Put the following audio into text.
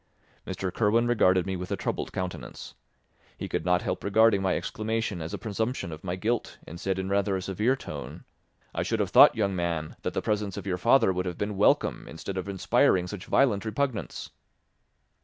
Mr. Kirwin regarded me with a troubled countenance. He could not help regarding my exclamation as a presumption of my guilt and said in rather a severe tone, "I should have thought, young man, that the presence of your father would have been welcome instead of inspiring such violent repugnance."